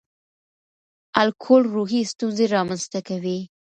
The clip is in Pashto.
الکول روحي ستونزې رامنځ ته کوي.